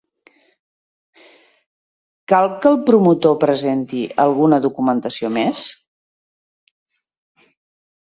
Cal que el promotor presenti alguna documentació més?